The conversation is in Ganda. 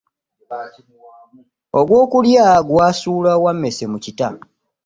Ogw'okulya gwasuula wammese mu kita .